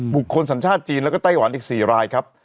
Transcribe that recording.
สัญชาติจีนแล้วก็ไต้หวันอีก๔รายครับ